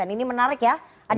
ini menarik ya